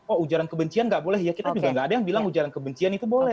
oh ujaran kebencian nggak boleh ya kita juga gak ada yang bilang ujaran kebencian itu boleh